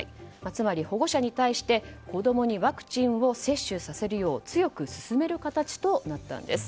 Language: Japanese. つまり保護者に対して子供にワクチンを接種させるよう強く勧める形となったんです。